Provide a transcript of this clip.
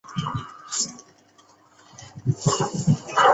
松坞云庄建于清朝乾隆十年。